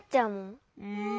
うん。